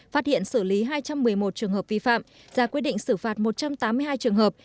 phát hiện xử lý hai trăm một mươi một trường hợp vi phạm ra quyết định xử phạt một trăm tám mươi hai trường hợp